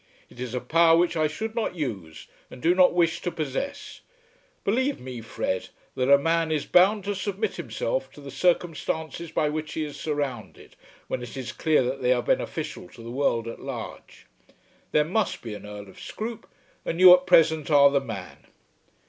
It is a power which I should not use, and do not wish to possess. Believe me, Fred, that a man is bound to submit himself to the circumstances by which he is surrounded, when it is clear that they are beneficial to the world at large. There must be an Earl of Scroope, and you at present are the man."